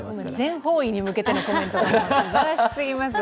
全方位に向けてのコメント、すばらしすぎますよ。